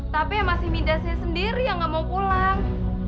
tapi masih mindasnya sendiri yang gak mau pulang